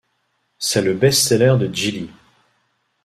C'est le best-seller de Geely.